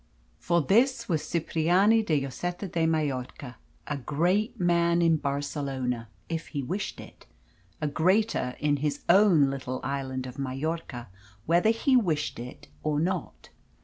For this was Cipriani de Lloseta de Mallorca, a great man in Barcelona, if he wished it, a greater in his own little island of Majorca, whether he wished it or not.